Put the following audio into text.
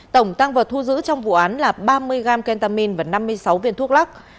tổng tăng vật thu giữ trong vụ án là ba mươi gram ketamin và năm mươi sáu viên thuốc lắc